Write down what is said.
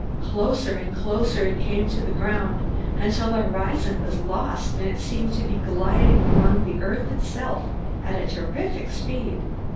Closer and closer it came to the ground, until the horizon was lost and it seemed to be gliding along the earth itself at terrific speed.